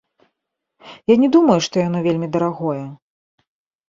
Я не думаю, што яно вельмі дарагое.